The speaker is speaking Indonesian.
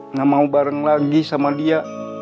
nggak mau bareng lagi sama dia